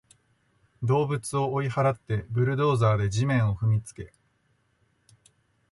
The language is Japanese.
動物を追い払って、ブルドーザーで地面を踏みつけ